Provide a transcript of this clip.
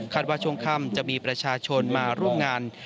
คันวาชงคำจะมีประชาชนมาร่วมงาน